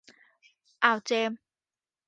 อ่าวเจมส์